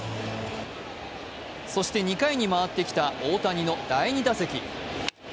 そして２回に回ってきた大谷の第２打席。